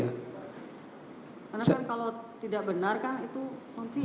karena kalau tidak benar kan itu konflik